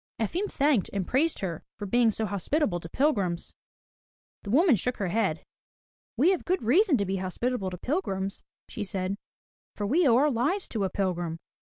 Efim thanked and praised her for being so hospitable to pilgrims. The woman shook her head. "We have good reason to be hospitable to pilgrims," she said. "For we owe our lives to a pilgrim.